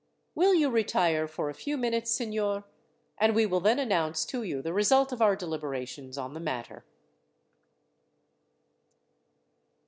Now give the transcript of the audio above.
"Will you retire for a few minutes, signor, and we will then announce to you the result of our deliberations on the matter."